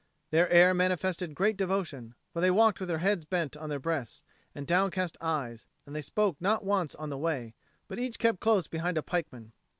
Their air manifested great devotion, for they walked with heads bent on their breasts and downcast eyes, and they spoke not once on the way; but each kept close behind a pikeman.